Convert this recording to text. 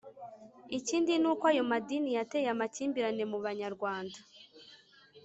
Ikindi n'uko ayo madini yateye amakimbirane mu Banyarwanda: